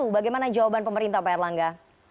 bagaimana jawaban pemerintah pak erlangga